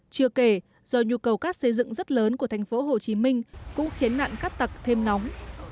chưa kể do nhu cầu cát xây dựng rất lớn của thành phố hồ chí minh cũng khiến nạn cát tặc thêm nóng